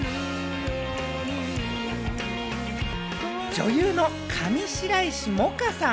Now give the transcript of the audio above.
女優の上白石萌歌さん。